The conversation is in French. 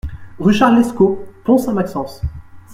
Rue Charles Lescot, Pont-Sainte-Maxence